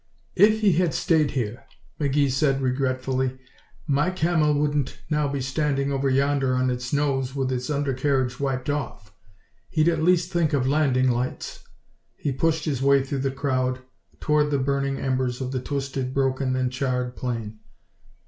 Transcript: "If he had stayed here," McGee said, regretfully, "my Camel wouldn't now be standing over yonder on its nose with its undercarriage wiped off. He'd at least think of landing lights." He pushed his way through the crowd toward the burning embers of the twisted, broken and charred plane.